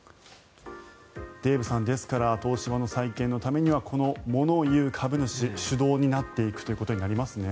デーブさん、ですから東芝の再建のためにはこの物言う株主主導になっていくということになりますね。